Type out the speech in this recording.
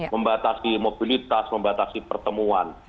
membatasi mobilitas membatasi pertemuan